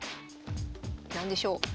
何でしょう？